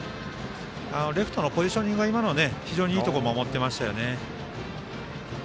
レフトのポジショニングが今いいところ守ってましたよね。